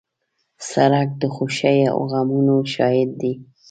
سړک د خوښۍ او غمونو شاهد دی.